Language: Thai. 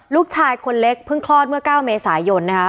ลูกชายคนเล็กเพิ่งคลอดเมื่อ๙เมษายนนะคะ